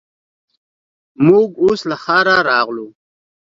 موږ اوس له ښاره راغلو.